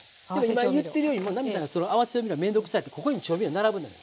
今言ってるように奈実さんがその合わせ調味料面倒くさいってここに調味料並ぶのよ。